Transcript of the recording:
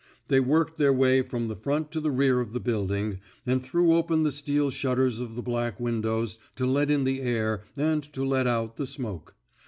They worked their way from the front to the rear of the building, and threw open the steel shutters of the back windows to let in the air and to let out the smoke.